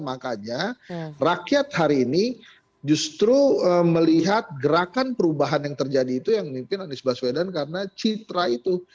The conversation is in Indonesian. makanya rakyat hari ini justru melihat gerakan perubahan yang terjadi itu yang memimpin anies baswedan karena citra itu